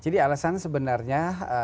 jadi alasan sebenarnya